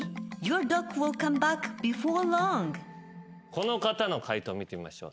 この方の解答見てみましょう。